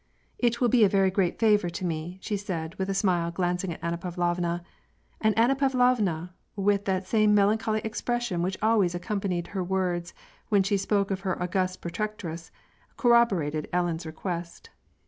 " It will be a very great favor to me," said she, with a smile, glancing at Anna Pavlovna, and Anna Pavlovna, with that same melancholy expression which always accompanied her words when she spoke of her august protectress, corroborated Ellen's request.